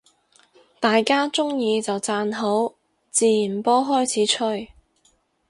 大家鍾意就讚好，自然波開始吹